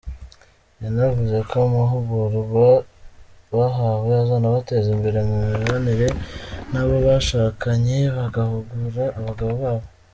Yanavuze ko amahugurwa bahawe azanabateza imbere mu mibanire n’abo bashakanye, bagahugura abagabo babo.